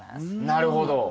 なるほど。